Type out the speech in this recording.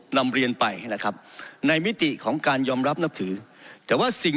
นำเรียนไปนะครับในมิติของการยอมรับนับถือแต่ว่าสิ่ง